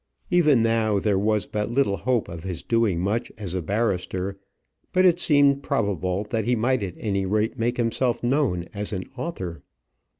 Even now there was but little hope of his doing much as a barrister; but it seemed probable that he might at any rate make himself known as an author.